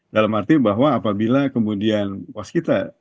dalam arti bahwa apabila kemudian waskita